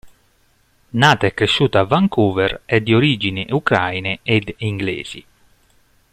Nata e cresciuta a Vancouver, è di origini ucraine ed inglesi.